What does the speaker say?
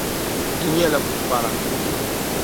N nyɛla pukpara.